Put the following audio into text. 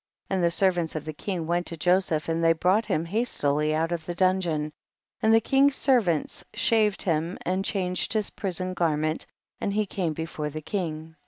41. And the servants of the king went to Joseph, and they brought him hastily out of the dungeon, and the king's servants shaved him, and he changed his prison garment and he came before the king.